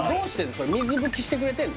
それ水拭きしてくれてるの？